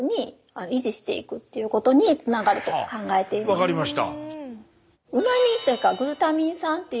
分かりました。